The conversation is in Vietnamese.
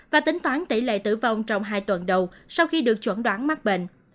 và tính toán tỷ lệ tử vong trong hai tuần đầu sau khi được chuẩn đoán mắc bệnh